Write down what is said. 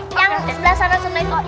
yang sebelah sana langsung naik kok